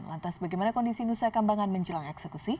lantas bagaimana kondisi nusa kambangan menjelang eksekusi